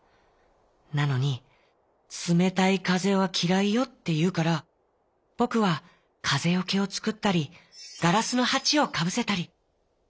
なのに『つめたいかぜはきらいよ』っていうからぼくはかぜよけをつくったりガラスのはちをかぶせたり」。